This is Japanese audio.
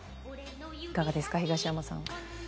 いかがですか、東山さん。